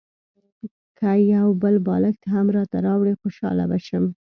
که یو بل بالښت هم راته راوړې خوشاله به شم.